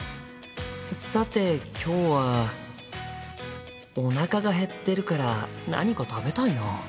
さて今日はおなかが減ってるから何か食べたいな。